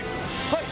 はい！